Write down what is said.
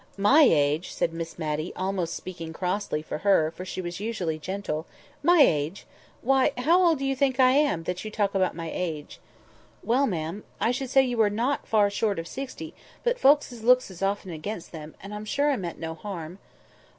"My age!" said Miss Matty, almost speaking crossly, for her, for she was usually gentle—"My age! Why, how old do you think I am, that you talk about my age?" "Well, ma'am, I should say you were not far short of sixty: but folks' looks is often against them—and I'm sure I meant no harm."